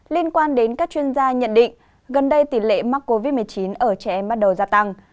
liên quan đến các chuyên gia nhận định gần đây tỷ lệ mắc covid một mươi chín ở trẻ em bắt đầu gia tăng